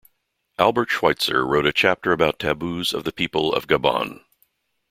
Albert Schweitzer wrote a chapter about taboos of the people of Gabon.